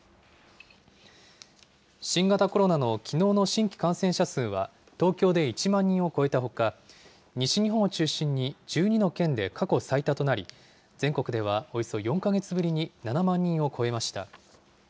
新型コロナのきのうの新規感染者数は、東京で１万人を超えたほか、西日本を中心に１２の県で過去最多となり、全国ではおよそ４か月ぶりに７万人を超えました。